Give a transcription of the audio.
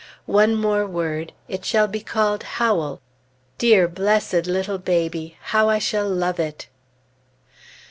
One more word it shall be called "Howell." Dear, blessed little baby! how I shall love it!